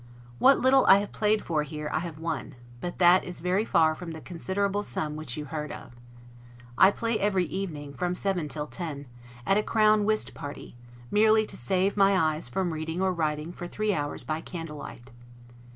What little I have played for here, I have won; but that is very far from the considerable sum which you heard of. I play every evening, from seven till ten, at a crown whist party, merely to save my eyes from reading or writing for three hours by candle light.